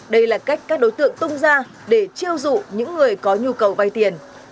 đây là cách các đối tượng tung ra để chiêu dụ những người có nhu cầu vay tiền